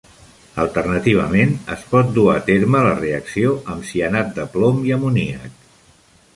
Alternativament, es pot dura a terme la reacció amb cianat de plom i amoníac.